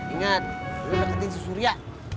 ingat udah deketin si surya